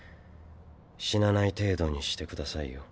死なない程度にしてくださいよ。